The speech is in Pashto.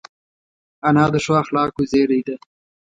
انا د ښو اخلاقو زېری ده